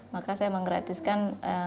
maka saya menggratiskan